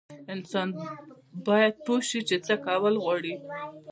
انسان باید پوه شي چې څه کول غواړي.